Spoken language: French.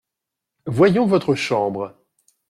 Voyons votre chambre.